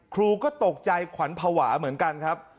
ครูก็ตกใจขวัญภาวะเหมือนกันครับ